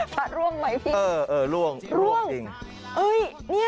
พระร่วงใหม่พี่